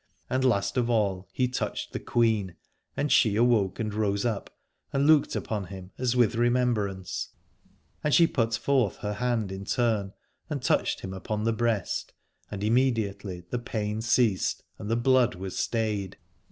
And last of all he touched the Queen, and she awoke and rose up and looked upon him as with remembrance : and she put forth her hand in turn and touched him upon the breast, and immediately the pain ceased and the blood was stayed.